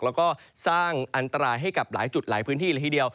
แล้วก็สร้างอันตรายให้กับหลายจุดหลายพื้นที่ละทีเดียว